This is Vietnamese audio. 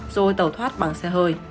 rồi tàu thoát bằng xe hơi